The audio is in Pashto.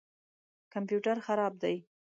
کمپیوټر خراب دی